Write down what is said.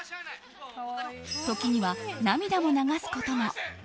時には涙を流すことも。